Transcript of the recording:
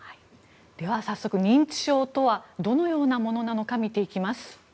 では、認知症とはどのようなものなのかみていきます。